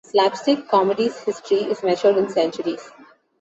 Slapstick comedy's history is measured in centuries.